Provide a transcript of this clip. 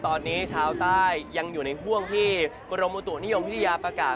ตอนนี้ชาวใต้ยังอยู่ในห่วงที่กรมอุตุนิยมวิทยาประกาศ